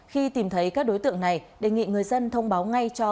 khi tìm thấy các đối tượng này đề nghị người dân thông báo ngay cho